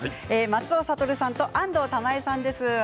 松尾諭さんと安藤玉恵さんです。